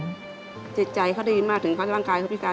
จิตใจเขาได้ยินมากถึงความร่างกายเขาพิการ